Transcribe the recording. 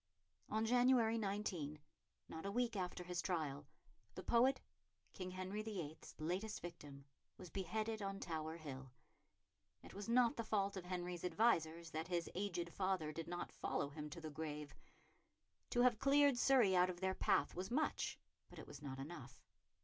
On January 19, not a week after his trial, the poet, King Henry VIII.'s latest victim, was beheaded on Tower Hill. It was not the fault of Henry's advisers that his aged father did not follow him to the grave. To have cleared Surrey out of their path was much; but it was not enough.